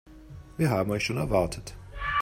Wir haben euch schon erwartet.